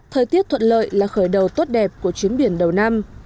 thời tiết thuận lợi là khởi đầu tốt đẹp của chuyến biển đầu năm